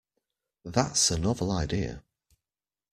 That's a novel idea.